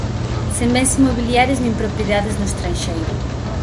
Sen bens inmobiliarios nin propiedades no estranxeiro.